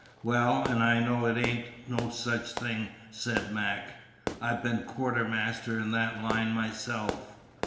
"Well, and I know it ain't no such a thing," said Mac. "I been quartermaster in that line myself."